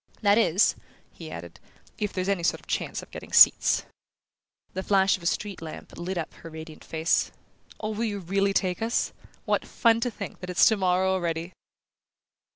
That is," he added, "if there's any sort of chance of getting seats." The flash of a street lamp lit up her radiant face. "Oh, will you really take us? What fun to think that it's tomorrow already!"